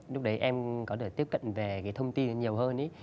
lúc đấy em có thể tiếp cận về cái thông tin nhiều hơn